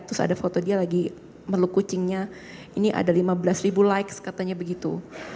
terus ada foto dia lagi meluk kucingnya ini ada lima belas ribu likes katanya begitu